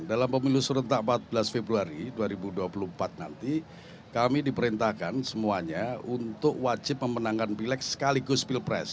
dalam pemilu serentak empat belas februari dua ribu dua puluh empat nanti kami diperintahkan semuanya untuk wajib memenangkan pilek sekaligus pilpres